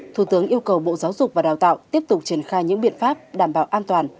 thủ tướng yêu cầu bộ giáo dục và đào tạo tiếp tục triển khai những biện pháp đảm bảo an toàn